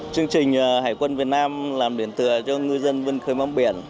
chương trình hải quân việt nam làm biển tựa cho ngư dân vươn khơi bám biển